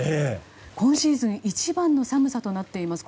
今シーズン一番の寒さとなっています。